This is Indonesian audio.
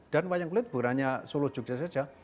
dan wayang kulit berwarna solo jogja saja